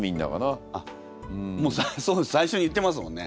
あっもう最初に言ってますもんね